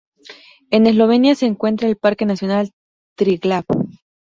En Eslovenia se encuentra el Parque nacional Triglav.